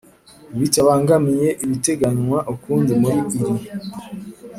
Bitabangamiye ibiteganywa ukundi muri iri